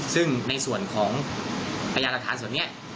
ซึ่งในส่วนของประยาศาสตร์ส่วนนี้